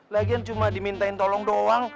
lagian cuma dimintain tolong doang